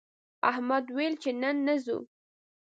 احمد ویل چې نن نه ځو